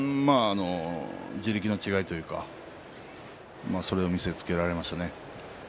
地力の違いというかそれを見せつけられましたね。